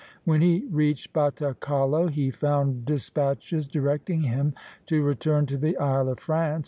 When he reached Batacalo, he found despatches directing him to return to the Isle of France.